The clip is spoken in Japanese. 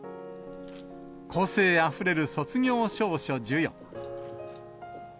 個性あふれる卒業証書授与。